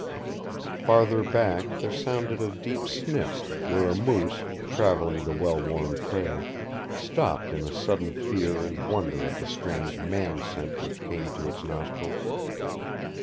Farther back there sounded a deep sniff, where a moose, traveling the well worn trail, stopped in sudden fear and wonder at the strange man scent which came to its nostrils.